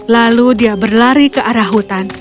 lalu dia berlari ke arah hutan